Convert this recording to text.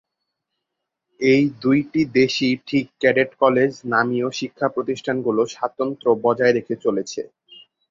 এই দুইটি দেশেই ঠিক ক্যাডেট কলেজ নামীয় শিক্ষা প্রতিষ্ঠানগুলো স্বাতন্ত্র্য বজায় রেখে চলেছে।